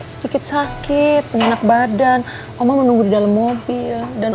sedikit sakit penginap badan oma menunggu di dalam mobil dan